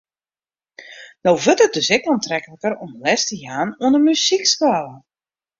No wurdt it dus ek oantrekliker om les te jaan oan in muzykskoalle.